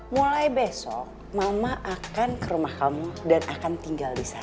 mulai besok mama akan ke rumah kamu dan akan tinggal di sana